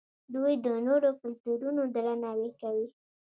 دوی د نورو کلتورونو درناوی کوي.